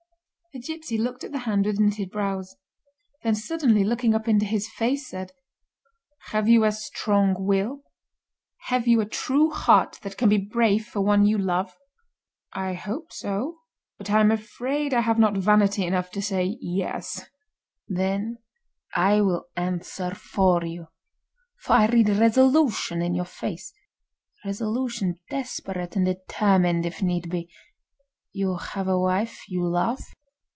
The gipsy looked at the hand with knitted brows; then suddenly looking up into his face, said: "Have you a strong will—have you a true heart that can be brave for one you love?" "I hope so; but I am afraid I have not vanity enough to say 'yes'." "Then I will answer for you; for I read resolution in your face—resolution desperate and determined if need be. You have a wife you love?"